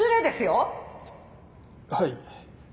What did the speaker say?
はい。